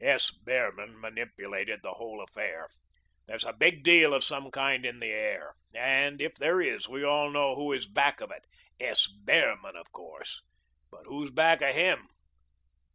"S. Behrman manipulated the whole affair. There's a big deal of some kind in the air, and if there is, we all know who is back of it; S. Behrman, of course, but who's back of him?